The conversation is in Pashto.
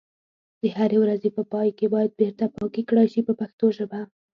د هرې ورځې په پای کې باید بیرته پاکي کړای شي په پښتو ژبه.